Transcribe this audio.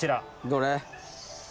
どれ？